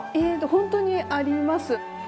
本当にあります。